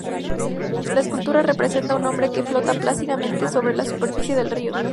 La escultura representa a un hombre que flota plácidamente sobre la superficie del río.